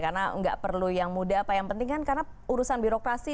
karena nggak perlu yang muda apa yang penting kan karena urusan birokrasi